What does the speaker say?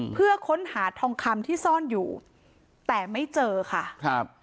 เพื่อค้นหาทองคำที่ซ่อนอยู่แต่ไม่เจอค่ะครับ